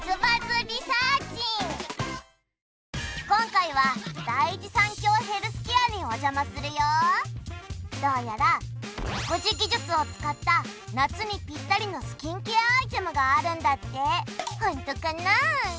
今回は第一三共ヘルスケアにお邪魔するよどうやら独自技術を使った夏にぴったりのスキンケアアイテムがあるんだってホントかな？